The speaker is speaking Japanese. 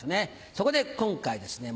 そこで今回ですね